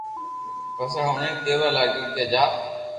پسي ھوڻين ڪيوا لاگيو ڪي جا